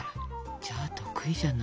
じゃあ得意じゃない。